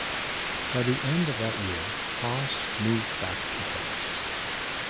By the end of that year Haass moved back to Paris.